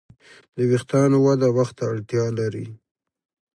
د وېښتیانو وده وخت ته اړتیا لري.